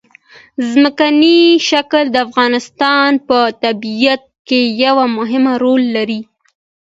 ځمکنی شکل د افغانستان په طبیعت کې یو مهم رول لري.